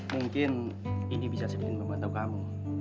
mungkin ini bisa sedikit membantu kamu